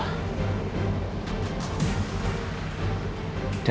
hai cari lagi